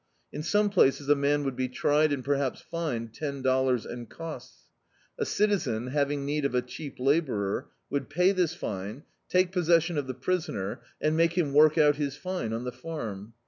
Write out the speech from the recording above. In some places a man would be tried and perhaps fined ten dollars and costs. A citizen, having need of a cheap labourer, would pay this fine, take possession of the prisoner, and make him work out his fine on the farm.